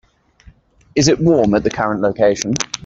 Is it warm at the current location?